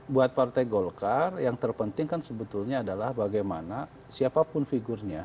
buat partai golkar yang terpenting kan sebetulnya adalah bagaimana siapapun figurnya